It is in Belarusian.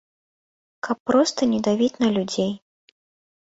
Каб проста не давіць на людзей.